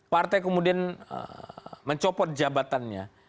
partai kemudian mencopot jabatannya